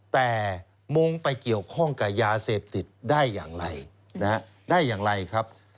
แต่มงค์ไปเกี่ยวข้องกับยาเสพติดได้อย่างไรครับ